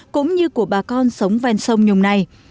cũng như của bà con sống ven sông nhùng này